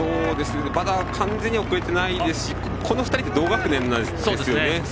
まだ完全には遅れてないですしこの２人って同学年なんですよね。